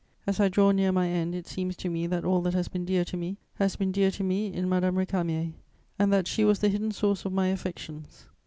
As I draw near my end, it seems to me that all that has been dear to me has been dear to me in Madame Récamier, and that she was the hidden source of my affections.